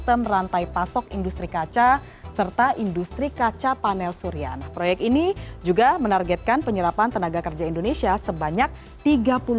pemerintah telah mendapatkan komitmen investasi dari perusahaan asal tiongkok yakni xinyi